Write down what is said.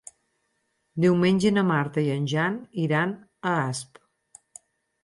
Diumenge na Marta i en Jan iran a Asp.